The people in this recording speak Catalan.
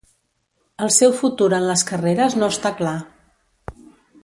El seu futur en les carreres no està clar.